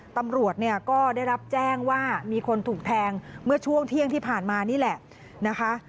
ตำรวจเนี่ยก็ได้รับแจ้งว่ามีคนถูกแทงเมื่อช่วงเที่ยงที่ผ่านมานี่แหละนะคะ